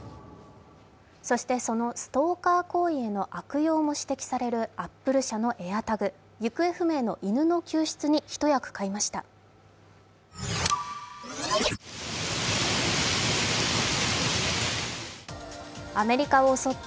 そしてそのストーカー行為への悪用も指摘されるアップル社のＡｉｒＴａｇ行方不明の犬の救出に一役買いました。